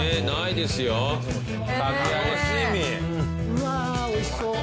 うわーおいしそう。